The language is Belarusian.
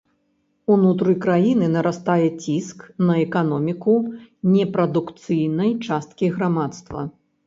Унутры краіны нарастае ціск на эканоміку непрадукцыйнай часткі грамадства.